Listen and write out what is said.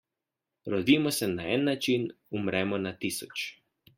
Rodimo se na en način, umremo na tisoč.